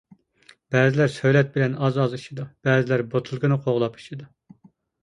بەزىلەر سۆلەت بىلەن ئاز-ئاز ئىچىدۇ، بەزىلەر بوتۇلكىنى قوغلاپ ئىچىدۇ.